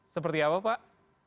seperti apa pak